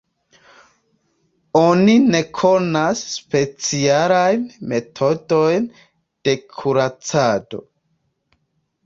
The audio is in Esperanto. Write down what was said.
Oni ne konas specialajn metodojn de kuracado.